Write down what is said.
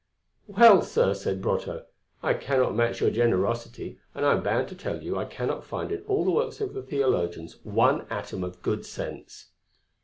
"Well, sir," said Brotteaux, "I cannot match your generosity and I am bound to tell you I cannot find in all the works of the Theologians one atom of good sense."